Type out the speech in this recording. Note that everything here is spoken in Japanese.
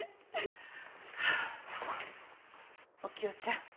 お清ちゃん